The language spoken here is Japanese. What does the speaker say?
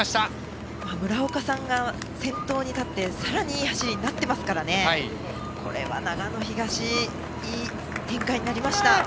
村岡さんが先頭に立ってさらにいい走りになってますからこれは長野東いい展開になりました。